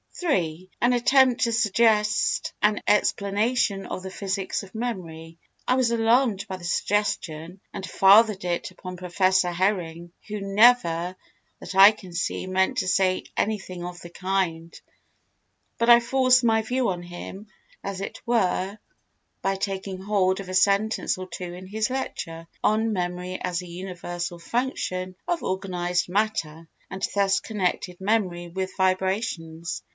An attempt to suggest an explanation of the physics of memory. I was alarmed by the suggestion and fathered it upon Professor Hering who never, that I can see, meant to say anything of the kind, but I forced my view on him, as it were, by taking hold of a sentence or two in his lecture, on Memory as a Universal Function of Organised Matter and thus connected memory with vibrations.